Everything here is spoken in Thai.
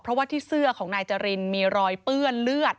เพราะว่าที่เสื้อของนายจรินมีรอยเปื้อนเลือด